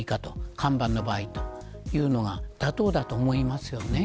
看板の場合、というのは妥当だと思いますよね。